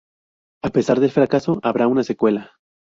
A pesar del fracaso habrá una secuela.